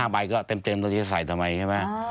๕ใบก็เต็มที่จะใส่ทั้งหมด